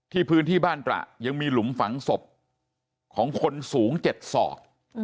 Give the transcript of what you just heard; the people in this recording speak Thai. พื้นที่บ้านตระยังมีหลุมฝังศพของคนสูง๗ศอก